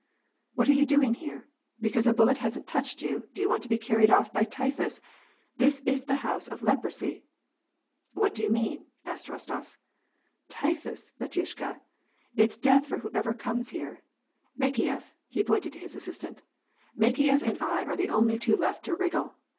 " What are joxx doing here ? Because a ballet hasn't touched you, do you want to be carried off by typhus ? This is the house of leprosy !"" What do you mean ?" asked Rostof. " Typhus, batyushka ! It's death for whoever comes in here. Makeyef," he pointed to his assistant, " Makeyef and I are the only two left to wriggle